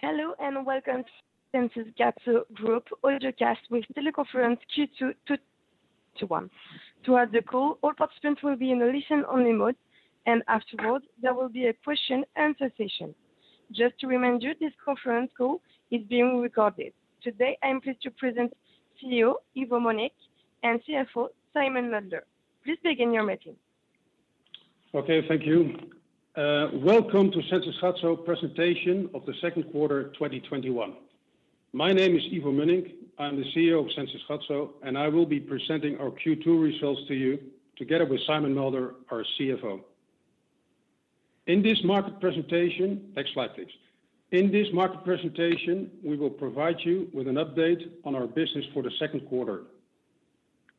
Hello, and welcome to Sensys Gatso Group audiocast with teleconference Q2 2021. Throughout the call, all participants will be in listen only mode, and afterwards there will be a question and answer session. Just to remind you, this conference call is being recorded. Today, I am pleased to present CEO, Ivo Mönnink, and CFO, Simon Mulder. Please begin your meeting. Okay. Thank you. Welcome to Sensys Gatso presentation of the second quarter 2021. My name is Ivo Mönnink. I'm the CEO of Sensys Gatso, I will be presenting our Q2 results to you together with Simon Mulder, our CFO. Next slide, please. In this market presentation, we will provide you with an update on our business for the second quarter.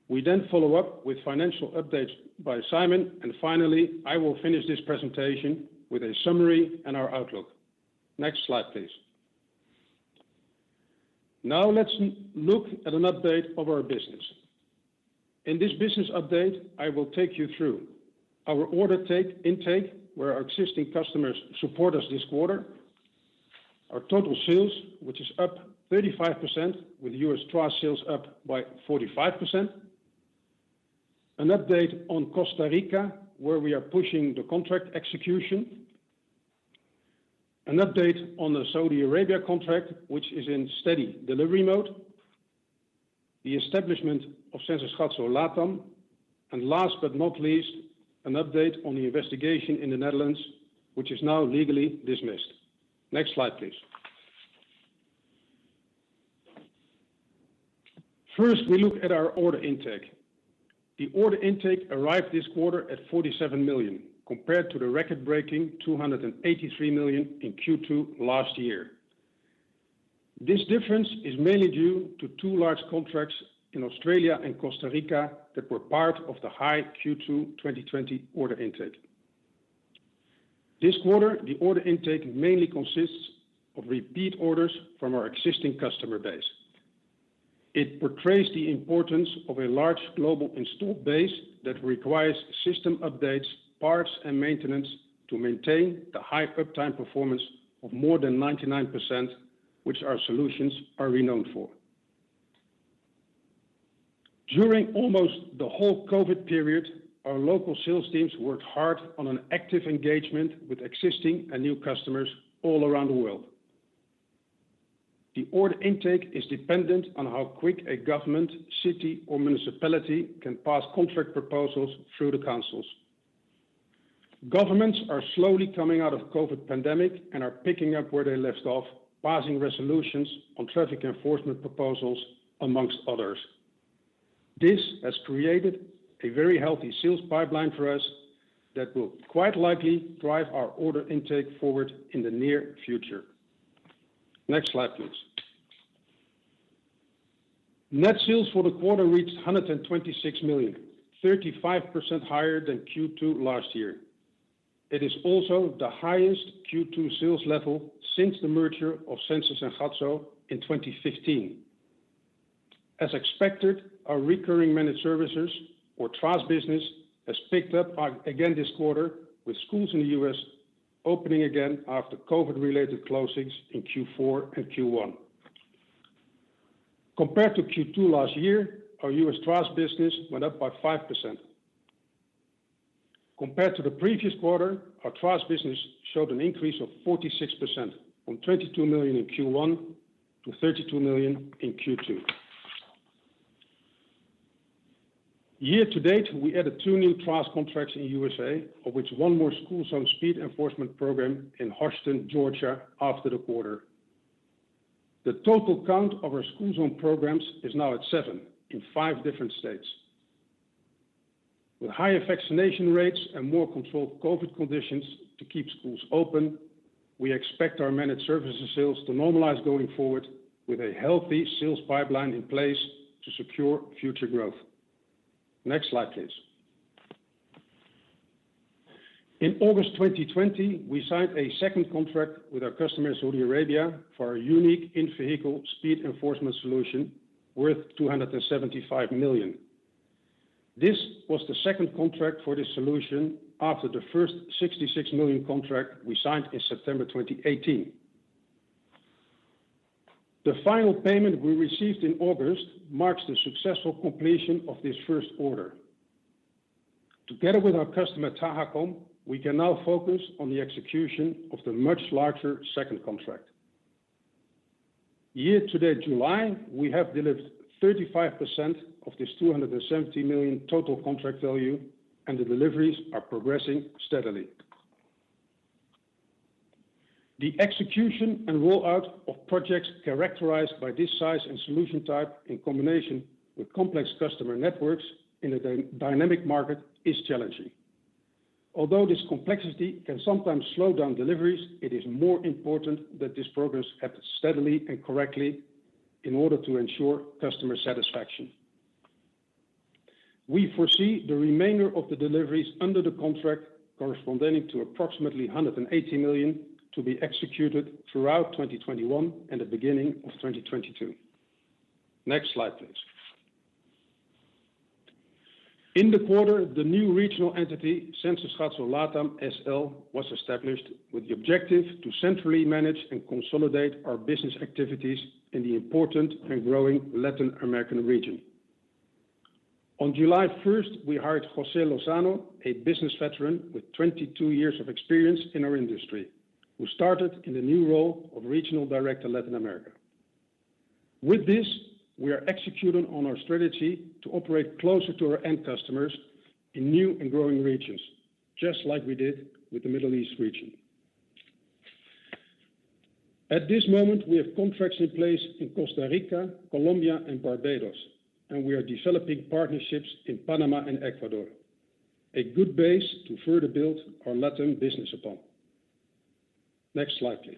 We follow up with financial updates by Simon. Finally, I will finish this presentation with a summary and our outlook. Next slide, please. Now let's look at an update of our business. In this business update, I will take you through our order intake, where our existing customers support us this quarter, our total sales, which is up 35% with U.S. TRaaS sales up by 45%, an update on Costa Rica, where we are pushing the contract execution, an update on the Saudi Arabia contract, which is in steady delivery mode, the establishment of Sensys Gatso LATAM, and last but not least, an update on the investigation in the Netherlands, which is now legally dismissed. Next slide, please. We look at our order intake. The order intake arrived this quarter at 47 million, compared to the record-breaking 283 million in Q2 last year. This difference is mainly due to two large contracts in Australia and Costa Rica that were part of the high Q2 2020 order intake. This quarter, the order intake mainly consists of repeat orders from our existing customer base. It portrays the importance of a large global installed base that requires system updates, parts, and maintenance to maintain the high uptime performance of more than 99%, which our solutions are renowned for. During almost the whole COVID period, our local sales teams worked hard on an active engagement with existing and new customers all around the world. The order intake is dependent on how quick a government, city, or municipality can pass contract proposals through the councils. Governments are slowly coming out of COVID pandemic and are picking up where they left off, passing resolutions on traffic enforcement proposals, amongst others. This has created a very healthy sales pipeline for us that will quite likely drive our order intake forward in the near future. Next slide, please. Net sales for the quarter reached 126 million, 35% higher than Q2 last year. It is also the highest Q2 sales level since the merger of Sensys and Gatso in 2015. As expected, our recurring Managed Services or TRaaS business has picked up again this quarter with schools in the U.S. opening again after COVID related closings in Q4 and Q1. Compared to Q2 last year, our U.S. TRaaS business went up by 5%. Compared to the previous quarter, our TRaaS business showed an increase of 46% from 22 million in Q1 to 32 million in Q2. Year to date, we added 2 new TRaaS contracts in U.S.A., of which one more school zone speed enforcement program in Hoschton, Georgia, after the quarter. The total count of our school zone programs is now at 7 in 5 different states. With higher vaccination rates and more controlled COVID conditions to keep schools open, we expect our Managed Services sales to normalize going forward with a healthy sales pipeline in place to secure future growth. Next slide, please. In August 2020, we signed a second contract with our customer in Saudi Arabia for our unique in-vehicle speed enforcement solution worth 275 million. This was the second contract for this solution after the first 66 million contract we signed in September 2018. The final payment we received in August marks the successful completion of this first order. Together with our customer, Tahakom, we can now focus on the execution of the much larger second contract. Year to date, July, we have delivered 35% of this 270 million total contract value, and the deliveries are progressing steadily. The execution and rollout of projects characterized by this size and solution type in combination with complex customer networks in a dynamic market is challenging. Although this complexity can sometimes slow down deliveries, it is more important that this progress happens steadily and correctly in order to ensure customer satisfaction. We foresee the remainder of the deliveries under the contract, corresponding to approximately 180 million, to be executed throughout 2021 and the beginning of 2022. Next slide, please. In the quarter, the new regional entity, Sensys Gatso LATAM S.L., was established with the objective to centrally manage and consolidate our business activities in the important and growing Latin American region. On July 1st, we hired Jose Lozano, a business veteran with 22 years of experience in our industry, who started in the new role of Regional Director Latin America. With this, we are executing on our strategy to operate closer to our end customers in new and growing regions, just like we did with the Middle East region. At this moment, we have contracts in place in Costa Rica, Colombia, and Barbados, and we are developing partnerships in Panama and Ecuador. A good base to further build our Latin business upon. Next slide, please.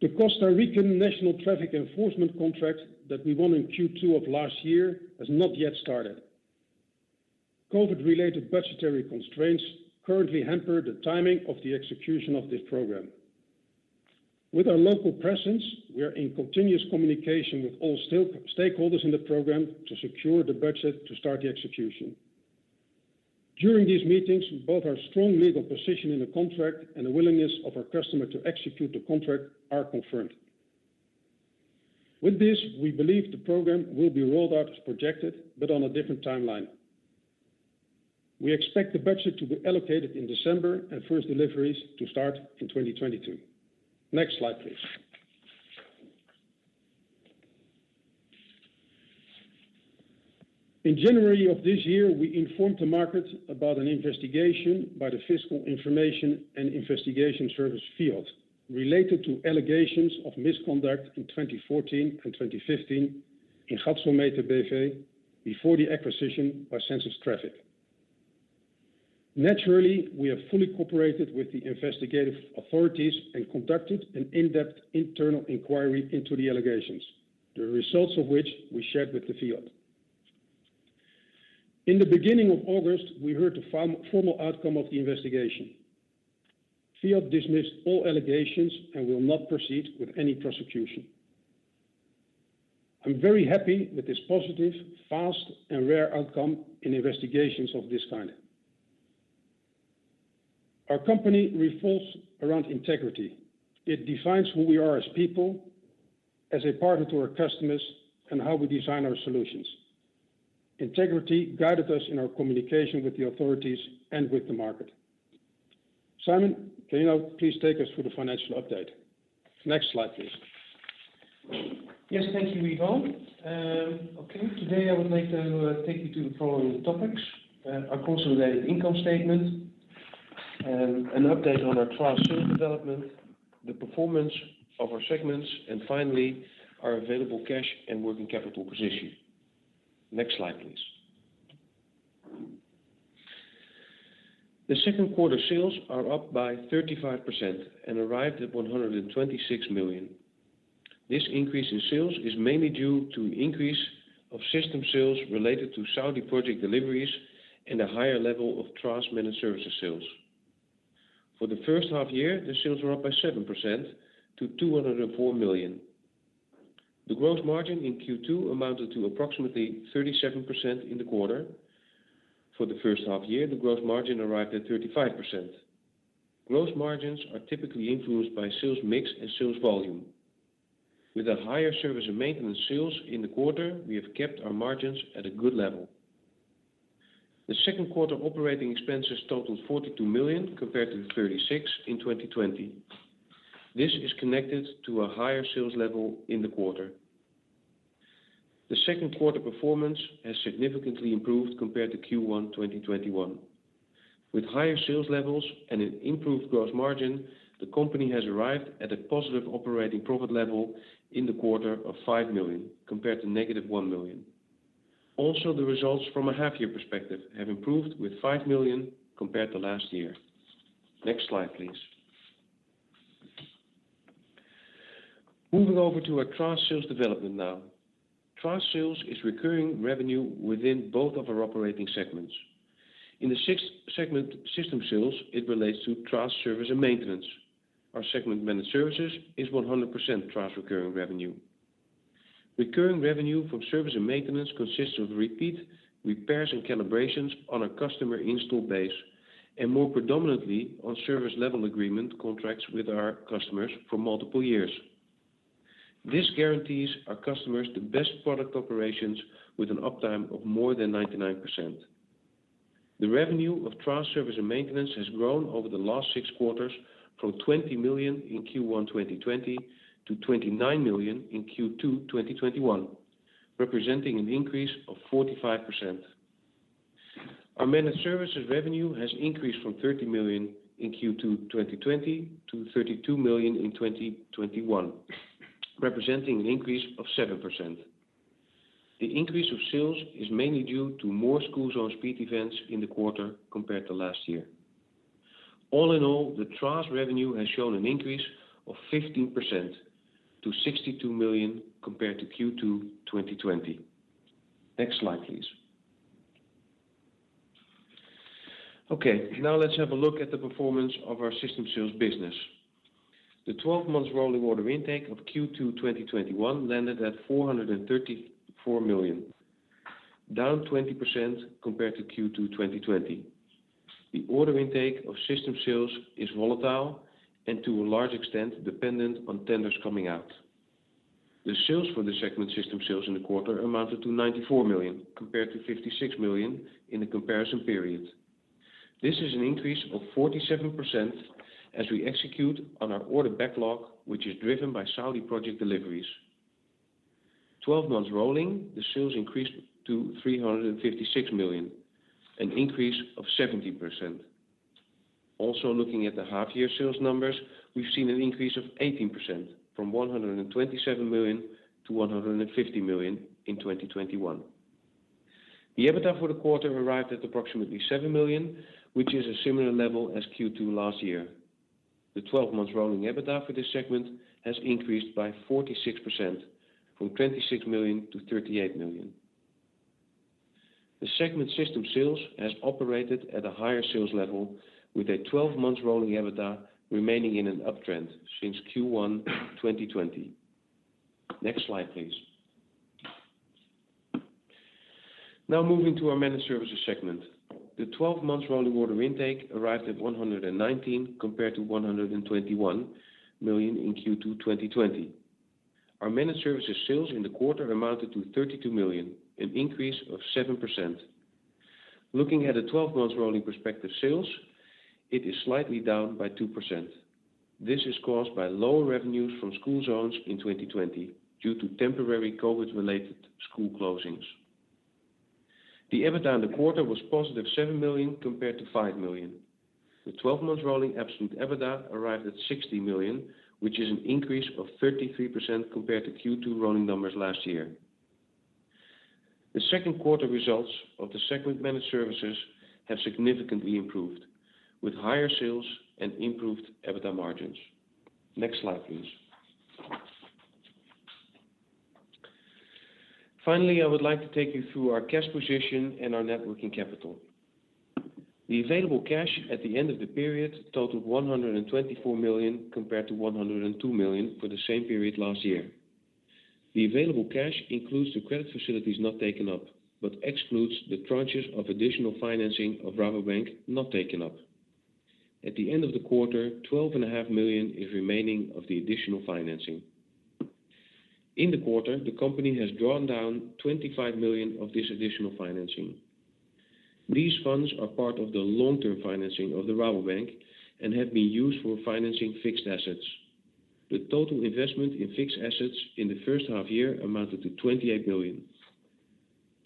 The Costa Rican national traffic enforcement contract that we won in Q2 of last year has not yet started. COVID-related budgetary constraints currently hamper the timing of the execution of this program. With our local presence, we are in continuous communication with all stakeholders in the program to secure the budget to start the execution. During these meetings, both our strong legal position in the contract and the willingness of our customer to execute the contract are confirmed. With this, we believe the program will be rolled out as projected, but on a different timeline. We expect the budget to be allocated in December and first deliveries to start in 2022. Next slide, please. In January of this year, we informed the market about an investigation by the Fiscal Information and Investigation Service, FIOD, related to allegations of misconduct in 2014 and 2015 in Gatsometer BV before the acquisition by Sensys Traffic. Naturally, we have fully cooperated with the investigative authorities and conducted an in-depth internal inquiry into the allegations, the results of which we shared with the FIOD. In the beginning of August, we heard the formal outcome of the investigation. FIOD dismissed all allegations and will not proceed with any prosecution. I'm very happy with this positive, fast, and rare outcome in investigations of this kind. Our company revolves around integrity. It defines who we are as people, as a partner to our customers, and how we design our solutions. Integrity guided us in our communication with the authorities and with the market. Simon, can you now please take us through the financial update? Next slide, please. Yes. Thank you, Ivo. Today, I would like to take you through the following topics. Our consolidated income statement, an update on our TRaaS service development, the performance of our segments, and finally, our available cash and working capital position. Next slide, please. The second quarter sales are up by 35% and arrived at 126 million. This increase in sales is mainly due to an increase of System Sales related to Saudi project deliveries and a higher level of TRaaS Managed Services sales. For the first half year, the sales were up by 7% to 204 million. The gross margin in Q2 amounted to approximately 37% in the quarter. For the first half year, the gross margin arrived at 35%. Gross margins are typically influenced by sales mix and sales volume. With that higher service and maintenance sales in the quarter, we have kept our margins at a good level. The second quarter operating expenses totaled 42 million, compared to 36 million in 2020. This is connected to a higher sales level in the quarter. The second quarter performance has significantly improved compared to Q1 2021. With higher sales levels and an improved growth margin, the company has arrived at a positive operating profit level in the quarter of 5 million, compared to negative 1 million. Also, the results from a half year perspective have improved with 5 million compared to last year. Next slide, please. Moving over to our TRaaS sales development now. TRaaS sales is recurring revenue within both of our operating segments. In the segment System Sales, it relates to TRaaS service and maintenance. Our segment Managed Services is 100% TRaaS recurring revenue. Recurring revenue from service and maintenance consists of repeat repairs and calibrations on a customer install base, and more predominantly on service level agreement contracts with our customers for multiple years. This guarantees our customers the best product operations with an uptime of more than 99%. The revenue of TRaaS Service and Maintenance has grown over the last six quarters from 20 million in Q1 2020 to 29 million in Q2 2021, representing an increase of 45%. Our Managed Services revenue has increased from 30 million in Q2 2020 to 32 million in 2021, representing an increase of 7%. The increase of sales is mainly due to more School Zone Speed events in the quarter compared to last year. All in all, the TRaaS Revenue has shown an increase of 15% to 62 million compared to Q2 2020. Next slide, please. Okay. Let's have a look at the performance of our System Sales business. The 12 months rolling order intake of Q2 2021 landed at 434 million, down 20% compared to Q2 2020. The order intake of System Sales is volatile and to a large extent dependent on tenders coming out. The sales for the segment System Sales in the quarter amounted to 94 million, compared to 56 million in the comparison period. This is an increase of 47% as we execute on our order backlog, which is driven by Saudi project deliveries. 12 months rolling, the sales increased to 356 million, an increase of 70%. Looking at the half year sales numbers, we've seen an increase of 18% from 127 million to 150 million in 2021. The EBITDA for the quarter arrived at approximately 7 million, which is a similar level as Q2 last year. The 12 months rolling EBITDA for this segment has increased by 46%, from 26 million to 38 million. The segment System Sales has operated at a higher sales level with a 12 months rolling EBITDA remaining in an uptrend since Q1 2020. Next slide, please. Moving to our Managed Services segment. The 12 months rolling order intake arrived at 119 million compared to 121 million in Q2 2020. Our Managed Services sales in the quarter amounted to 32 million, an increase of 7%. Looking at a 12 months rolling perspective sales, it is slightly down by 2%. This is caused by lower revenues from school zones in 2020 due to temporary COVID-related school closings. The EBITDA in the quarter was positive 7 million compared to 5 million. The 12 months rolling absolute EBITDA arrived at 60 million, which is an increase of 33% compared to Q2 rolling numbers last year. The second quarter results of the segment Managed Services have significantly improved with higher sales and improved EBITDA margins. Next slide, please. Finally, I would like to take you through our cash position and our net working capital. The available cash at the end of the period totaled 124 million, compared to 102 million for the same period last year. The available cash includes the credit facilities not taken up, but excludes the tranches of additional financing of Rabobank not taken up. At the end of the quarter, 12.5 million is remaining of the additional financing. In the quarter, the company has drawn down 25 million of this additional financing. These funds are part of the long-term financing of the Rabobank and have been used for financing fixed assets. The total investment in fixed assets in the first half year amounted to 28 million.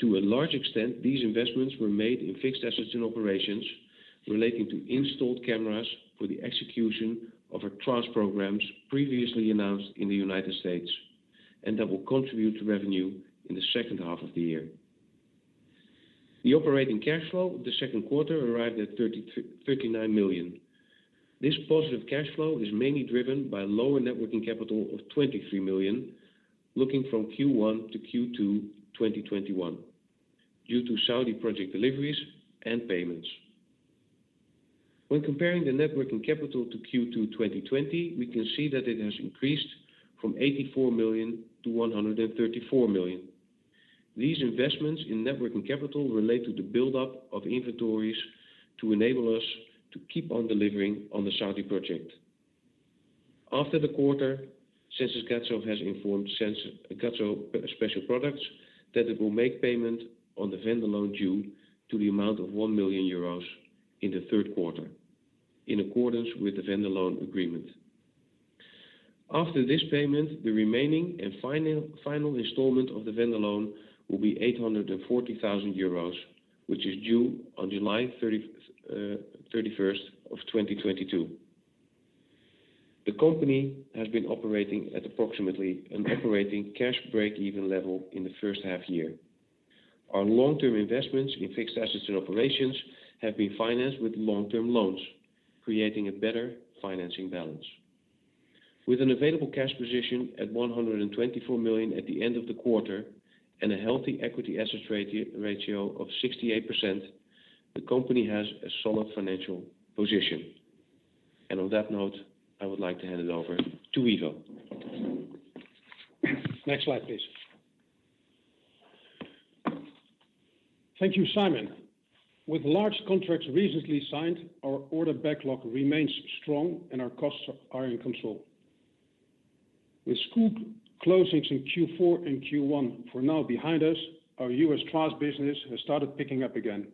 To a large extent, these investments were made in fixed assets in operations relating to installed cameras for the execution of our TRaaS programs previously announced in the United States and that will contribute to revenue in the second half of the year. The operating cash flow of the second quarter arrived at 39 million. This positive cash flow is mainly driven by lower net working capital of 23 million looking from Q1 to Q2 2021 due to Saudi project deliveries and payments. When comparing the net working capital to Q2 2020, we can see that it has increased from 84 million to 134 million. These investments in net working capital relate to the buildup of inventories to enable us to keep on delivering on the Saudi project. After the quarter, Sensys Gatso has informed Sensys Gatso Special Products that it will make payment on the vendor loan due to the amount of SEK 1 million in the third quarter in accordance with the vendor loan agreement. After this payment, the remaining and final installment of the vendor loan will be SEK 840,000, which is due on July 31st of 2022. The company has been operating at approximately an operating cash breakeven level in the first half year. Our long-term investments in fixed assets and operations have been financed with long-term loans, creating a better financing balance. With an available cash position at 124 million at the end of the quarter and a healthy equity asset ratio of 68%, the company has a solid financial position. On that note, I would like to hand it over to Ivo. Next slide, please. Thank you, Simon. With large contracts recently signed, our order backlog remains strong and our costs are in control. With school closings in Q4 and Q1 for now behind us, our U.S. TRaaS business has started picking up again.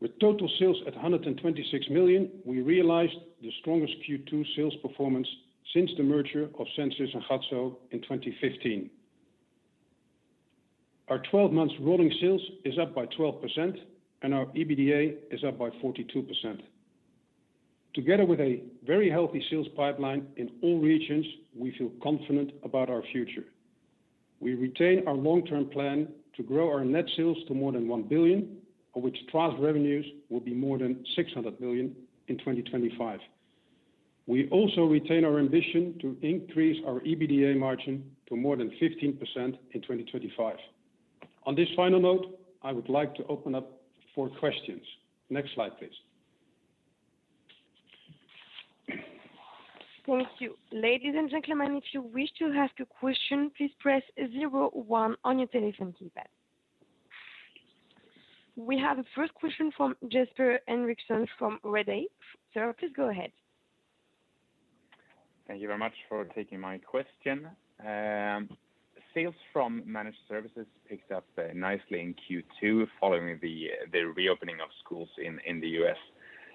With total sales at 126 million, we realized the strongest Q2 sales performance since the merger of Sensys and Gatso in 2015. Our 12 months rolling sales is up by 12%, and our EBITDA is up by 42%. Together with a very healthy sales pipeline in all regions, we feel confident about our future. We retain our long-term plan to grow our net sales to more than 1 billion, of which TRaaS revenues will be more than 600 million in 2025. We also retain our ambition to increase our EBITDA margin to more than 15% in 2025. On this final note, I would like to open up for questions. Next slide, please. Thank you. Ladies and gentlemen, if you wish to ask a question, please press zero one on your telephone keypad. We have the first question from Jesper Henrikson from Redeye. Sir, please go ahead. Thank you very much for taking my question. Sales from Managed Services picked up nicely in Q2, following the reopening of schools in the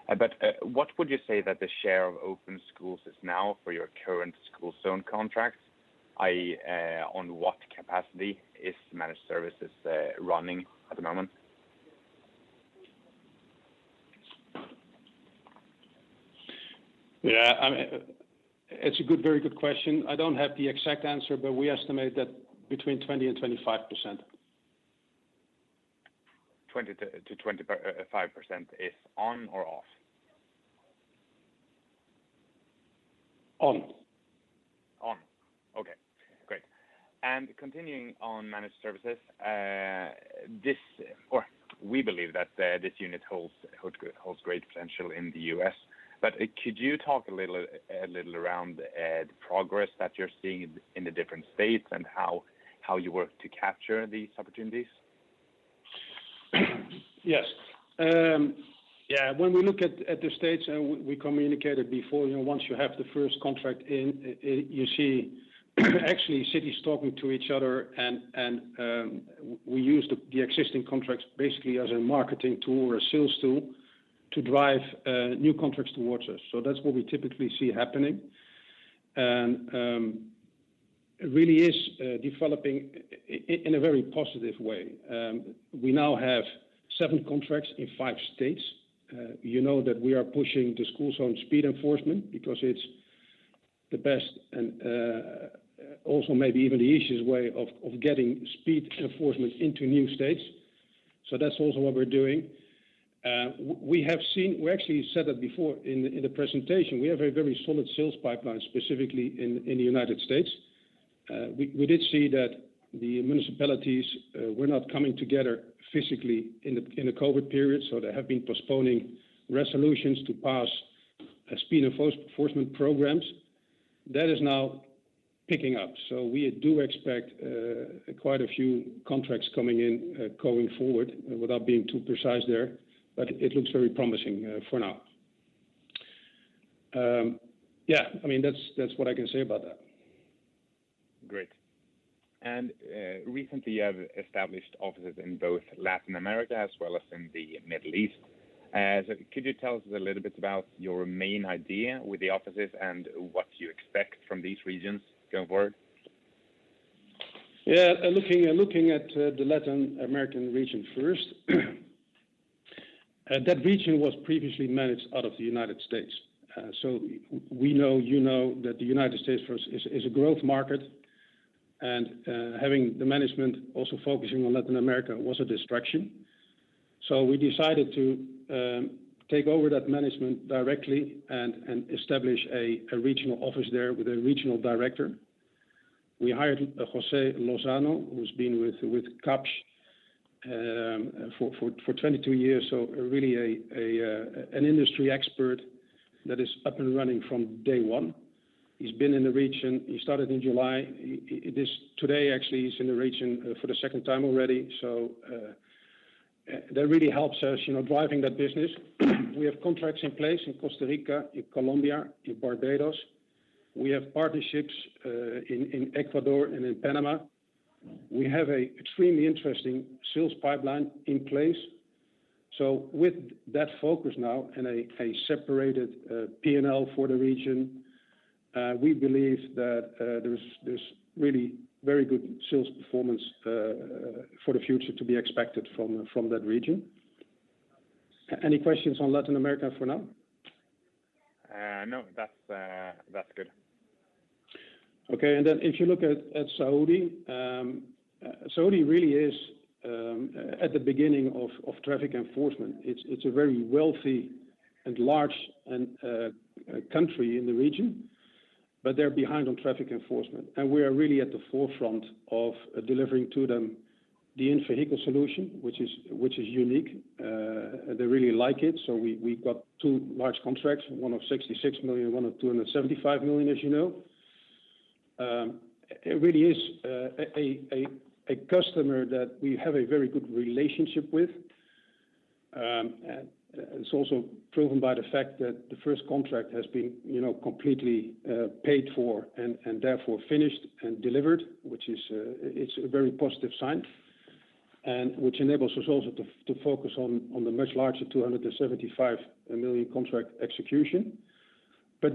U.S. What would you say that the share of open schools is now for your current school zone contracts, i.e., on what capacity is Managed Services running at the moment? Yeah. It's a very good question. I don't have the exact answer, but we estimate that between 20% and 25%. 20%-25% is on or off? On. Okay, great. Continuing on Managed Services. We believe that this unit holds great potential in the U.S., but could you talk a little around the progress that you're seeing in the different states and how you work to capture these opportunities? Yes. When we look at the States, and we communicated before, once you have the first contract in, you see actually cities talking to each other, and we use the existing contracts basically as a marketing tool or a sales tool to drive new contracts towards us. That's what we typically see happening. It really is developing in a very positive way. We now have 7 contracts in 5 States. You know that we are pushing the school zone speed enforcement because it's the best and also maybe even the easiest way of getting speed enforcement into new States. That's also what we're doing. We actually said that before in the presentation. We have a very solid sales pipeline, specifically in the United States. We did see that the municipalities were not coming together physically in the COVID period, so they have been postponing resolutions to pass speed enforcement programs. That is now picking up. We do expect quite a few contracts coming in, going forward, without being too precise there, but it looks very promising for now. That's what I can say about that. Great. Recently, you have established offices in both Latin America as well as in the Middle East. Could you tell us a little bit about your main idea with the offices and what you expect from these regions going forward? Yeah. Looking at the Latin American region first, that region was previously managed out of the United States. We know you know that the United States for us is a growth market, and having the management also focusing on Latin America was a distraction. We decided to take over that management directly and establish a regional office there with a regional director. We hired Jose Lozano, who's been with Kapsch for 22 years, so really an industry expert that is up and running from day one. He's been in the region. He started in July. Today, actually, he's in the region for the second time already. That really helps us driving that business. We have contracts in place in Costa Rica, in Colombia, in Barbados. We have partnerships in Ecuador and in Panama. We have an extremely interesting sales pipeline in place. With that focus now and a separated P&L for the region, we believe that there's really very good sales performance for the future to be expected from that region. Any questions on Latin America for now? No, that's good. If you look at Saudi really is at the beginning of traffic enforcement. It's a very wealthy and large country in the region, but they're behind on traffic enforcement, and we are really at the forefront of delivering to them the In-Vehicle Solution, which is unique. They really like it. We got two large contracts, one of 66 million, one of 275 million, as you know. It really is a customer that we have a very good relationship with. It's also proven by the fact that the first contract has been completely paid for, and therefore finished and delivered, which is a very positive sign, and which enables us also to focus on the much larger 275 million contract execution.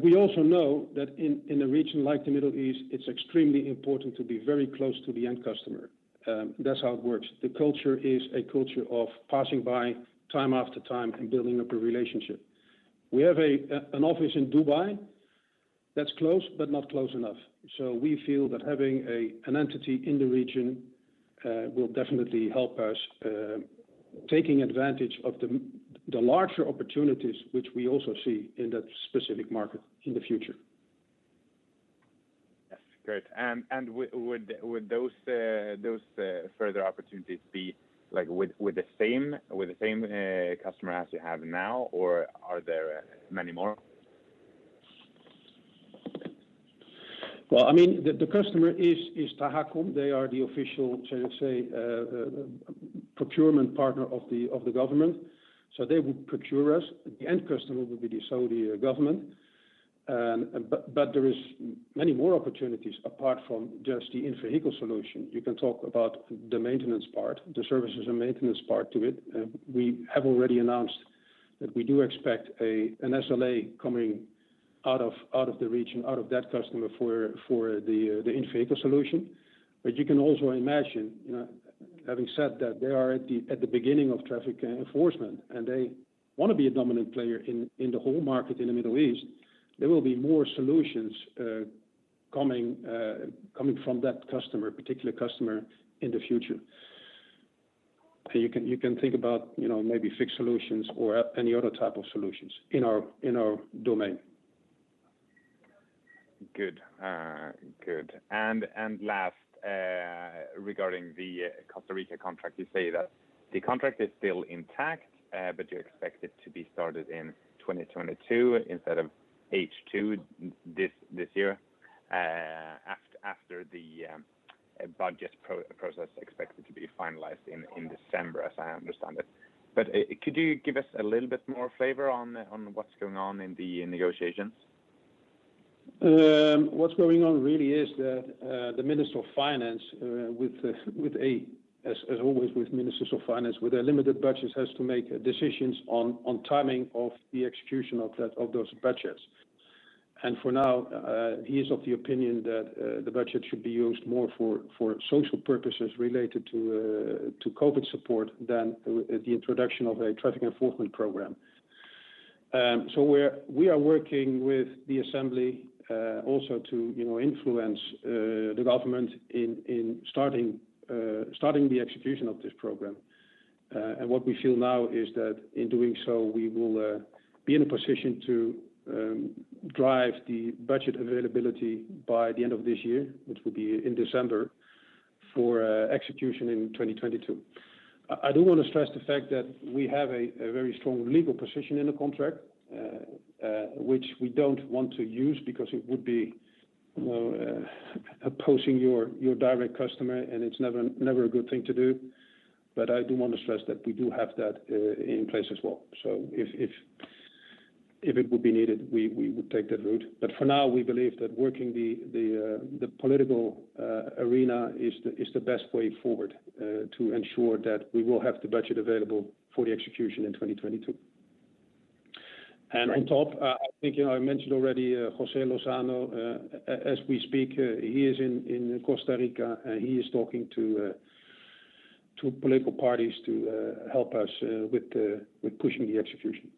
We also know that in a region like the Middle East, it's extremely important to be very close to the end customer. That's how it works. The culture is a culture of passing by time after time and building up a relationship. We have an office in Dubai. That's close, but not close enough. We feel that having an entity in the region will definitely help us, taking advantage of the larger opportunities which we also see in that specific market in the future. Yes. Great. Would those further opportunities be with the same customer as you have now, or are there many more? Well, the customer is Tahakom. They are the official, should I say, procurement partner of the government. They would procure us. The end customer would be the Saudi government. There is many more opportunities apart from just the In-Vehicle Solution. You can talk about the services and maintenance part to it. We have already announced that we do expect an SLA coming out of the region, out of that customer for the In-Vehicle Solution. You can also imagine, having said that, they are at the beginning of traffic enforcement, and they want to be a dominant player in the whole market in the Middle East. There will be more solutions coming from that particular customer in the future. You can think about maybe fixed solutions or any other type of solutions in our domain. Good. Last, regarding the Costa Rica contract, you say that the contract is still intact, but you expect it to be started in 2022 instead of H2 this year, after the budget process expected to be finalized in December, as I understand it. Could you give us a little bit more flavor on what's going on in the negotiations? What's going on really is that the minister of finance, as always with ministers of finance, with their limited budgets, has to make decisions on timing of the execution of those budgets. For now, he is of the opinion that the budget should be used more for social purposes related to COVID support than the introduction of a traffic enforcement program. We are working with the assembly also to influence the government in starting the execution of this program. What we feel now is that in doing so, we will be in a position to drive the budget availability by the end of this year, which will be in December, for execution in 2022. I do want to stress the fact that we have a very strong legal position in the contract, which we don't want to use because it would be opposing your direct customer, and it's never a good thing to do. I do want to stress that we do have that in place as well. If it would be needed, we would take that route. For now, we believe that working the political arena is the best way forward to ensure that we will have the budget available for the execution in 2022. On top, I think I mentioned already Jose Lozano as we speak, he is in Costa Rica. He is talking to political parties to help us with pushing the execution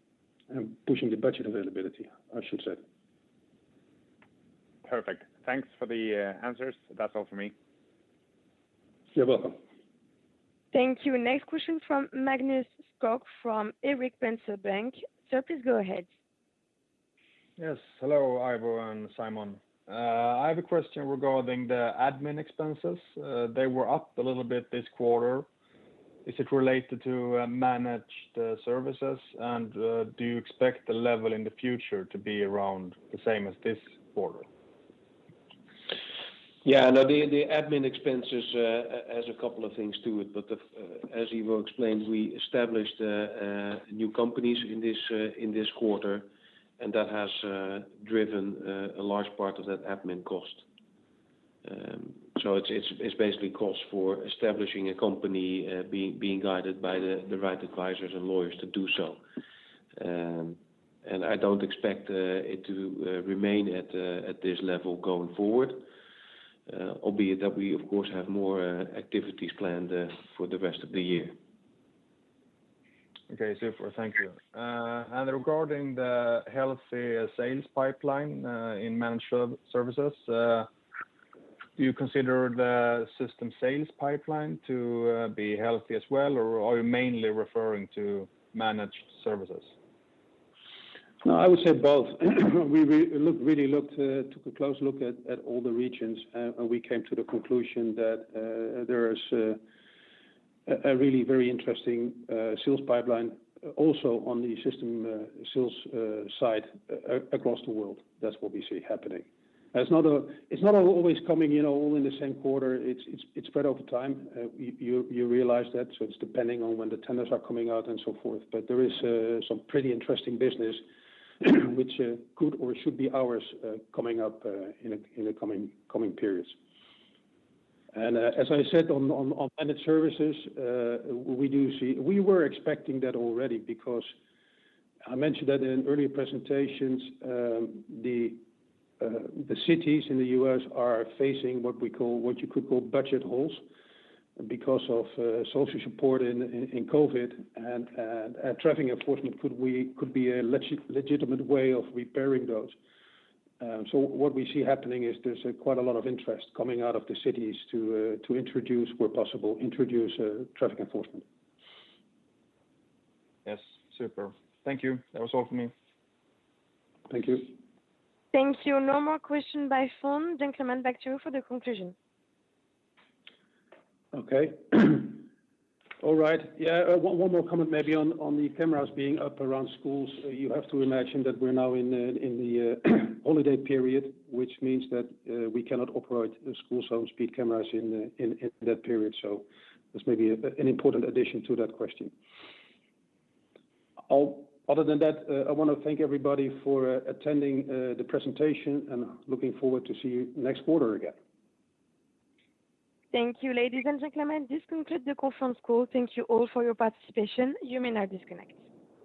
and pushing the budget availability, I should say. Perfect. Thanks for the answers. That's all for me. You're welcome. Thank you. Next question from Magnus Skog from Erik Penser Bank. Sir, please go ahead. Yes. Hello, Ivo and Simon. I have a question regarding the admin expenses. They were up a little bit this quarter. Is it related to Managed Services, and do you expect the level in the future to be around the same as this quarter? Yeah, no, the admin expenses has a couple of things to it. As Ivo explained, we established new companies in this quarter, and that has driven a large part of that admin cost. It's basically cost for establishing a company, being guided by the right advisors and lawyers to do so. I don't expect it to remain at this level going forward, albeit that we, of course, have more activities planned for the rest of the year. Okay, super. Thank you. Regarding the healthy sales pipeline in Managed Services, do you consider the System Sales pipeline to be healthy as well, or are you mainly referring to Managed Services? No, I would say both. We took a close look at all the regions. We came to the conclusion that there is a really very interesting sales pipeline also on the System Sales side across the world. That's what we see happening. It's not always coming in all in the same quarter. It's spread over time. You realize that. It's depending on when the tenders are coming out and so forth. There is some pretty interesting business which could or should be ours coming up in the coming periods. As I said on Managed Services, we were expecting that already because I mentioned that in earlier presentations the cities in the U.S. are facing what you could call budget holes because of social support in COVID. Traffic enforcement could be a legitimate way of repairing those. What we see happening is there's quite a lot of interest coming out of the cities to, where possible, introduce traffic enforcement. Yes. Super. Thank you. That was all for me. Thank you. Thank you. No more question by phone. Gentlemen, back to you for the conclusion. Okay. All right. One more comment maybe on the cameras being up around schools. You have to imagine that we're now in the holiday period, which means that we cannot operate the school zone speed cameras in that period. That's maybe an important addition to that question. Other than that, I want to thank everybody for attending the presentation, and looking forward to see you next quarter again. Thank you, ladies and gentlemen. This concludes the conference call. Thank you all for your participation. You may now disconnect.